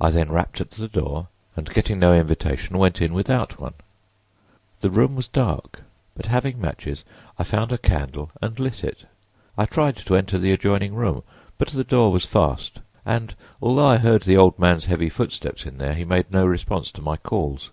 I then rapped at the door, and getting no invitation went in without one. The room was dark, but having matches I found a candle and lit it. I tried to enter the adjoining room, but the door was fast, and although I heard the old man's heavy footsteps in there he made no response to my calls.